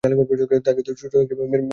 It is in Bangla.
তাকে তো ছোট থাকতেই মেরে ফেলা হয়েছিল।